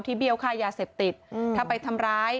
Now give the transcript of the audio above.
เบี้ยวค่ายาเสพติดถ้าไปทำร้าย